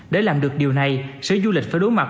để làm được điều này sở du lịch phải đối mặt